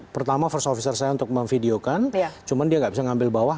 pertama first officer saya untuk memvideokan cuman dia tidak bisa mengambil bawah